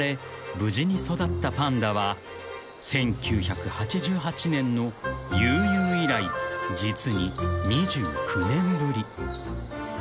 無事に育ったパンダは１９８８年のユウユウ以来実に２９年ぶり］